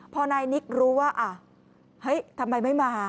พอนายนิกรู้ว่าเฮ้ยทำไมไม่มา